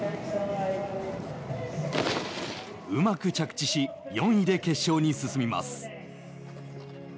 うまく着地し４位で決勝に進みます。